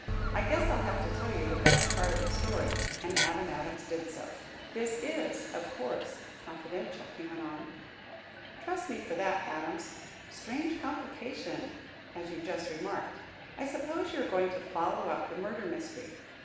I guess I'll have to tell you the best part of the story," and Adam Adams did so. "This is, of course, confidential," he went on. "Trust me for that, Adams. Strange complication, as you just remarked. I suppose you are going to follow up the murder mystery.